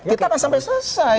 kita kan sampai selesai